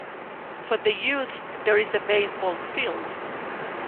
For the youth, there is a baseball field.